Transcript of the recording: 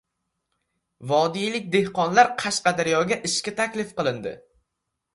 Vodiylik dehqonlar Qashqadaryoga ishga taklif qilindi